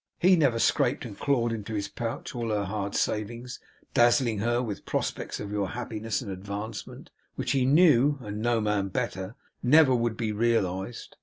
'HE never scraped and clawed into his pouch all her hard savings; dazzling her with prospects of your happiness and advancement, which he knew (and no man better) never would be realised!